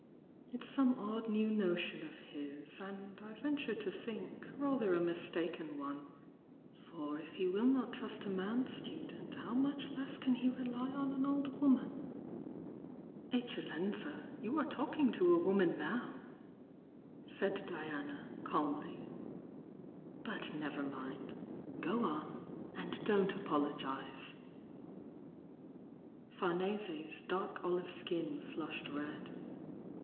It's some odd new notion of his, and, I venture to think, rather a mistaken one — for if he will not trust a man student, how much less can he rely on an old woman!" THE YOUNG DIANA 145 "EcceUenza you are talking to a woman now " said Diana, calmly. "But never mind ! Go on and dont apologise! Farnese's dark olive skin flushed red.